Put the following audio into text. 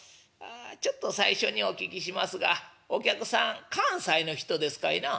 「あちょっと最初にお聞きしますがお客さん関西の人ですかいな？」。